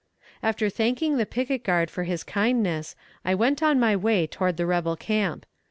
After thanking the picket guard for his kindness, I went on my way toward the rebel camp.